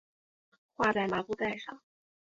画在麻布袋上